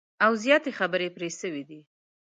او زیاتي خبري پر سوي دي